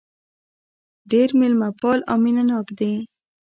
ډېر مېلمه پال او مينه ناک دي.